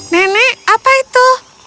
nenek apa itu